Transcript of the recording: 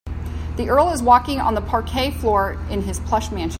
The earl is walking on the parquet floor in his plush mansion.